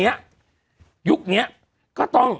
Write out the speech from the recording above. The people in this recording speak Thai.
นี่แต่ไปดูว่าคุณเอกขวัญกลับช่องเจ็ด